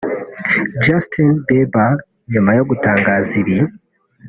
Justin Bieber nyuma yo gutangaza ibi